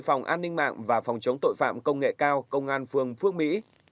phòng an ninh mạng và phòng chống tội phạm công nghệ cao công an phường phước mỹ